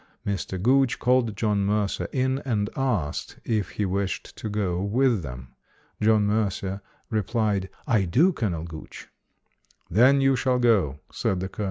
Mr. Gooch called John Mercer in and asked if he wished to go with them. John Mercer replied, "I do, Colonel Gooch". "Then you shall go", said the colonel.